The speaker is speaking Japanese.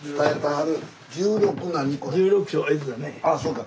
ああそうか。